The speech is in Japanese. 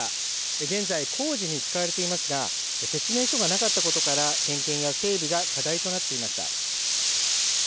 現在、工事に使われていますが説明書がなかったことから点検や整備が課題となっていました。